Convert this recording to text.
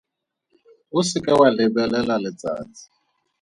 O se ka wa lebelela letsatsi.